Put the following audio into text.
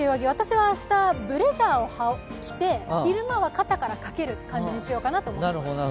私は明日、ブレザーを着て、昼間は肩からかける感じにしようと思います。